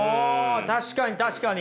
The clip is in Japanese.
確かに確かに。